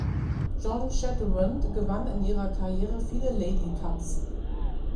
Joan Chetwynd gewann in ihrer Karriere viele "Ladies Cup’s".